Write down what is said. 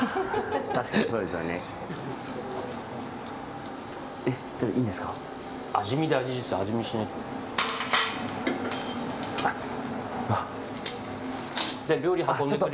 確かにそうですよね。